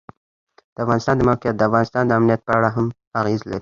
د افغانستان د موقعیت د افغانستان د امنیت په اړه هم اغېز لري.